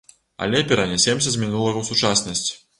Але перанясемся з мінулага ў сучаснасць.